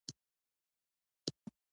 د وطن اوبه خوږې دي.